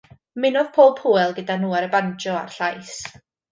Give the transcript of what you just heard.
Ymunodd Paul Powell gyda nhw ar y banjo a'r llais.